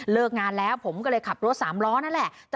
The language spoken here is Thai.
งานแล้วผมก็เลยขับรถสามล้อนั่นแหละ